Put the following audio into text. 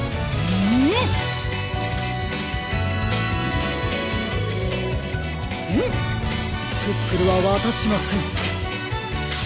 フンプップルはわたしません。